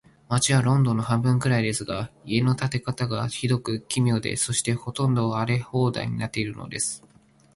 街はロンドンの半分くらいですが、家の建て方が、ひどく奇妙で、そして、ほとんど荒れ放題になっているのです。